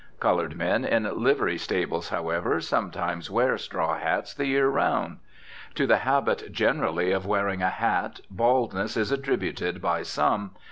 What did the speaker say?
Coloured men in livery stables, however, sometimes wear straw hats the year round. To the habit generally of wearing a hat baldness is attributed by some.